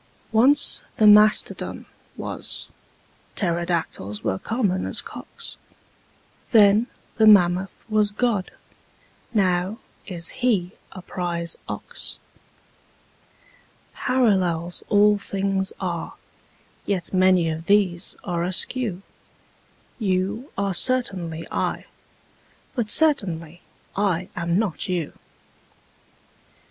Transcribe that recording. Once the mastodon was: pterodactyls were common as cocks: Then the mammoth was God: now is He a prize ox. Parallels all things are: yet many of these are askew: You are certainly I: but certainly I am not you.